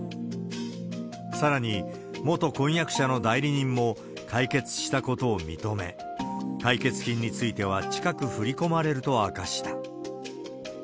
さらに、元婚約者の代理人も解決したことを認め、解決金については近く振り込まれると明かした。